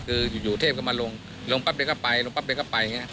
คืออยู่เทพก็มาลงลงปั๊บไปก็ไปลงปั๊บไปก็ไป